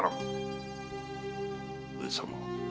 上様。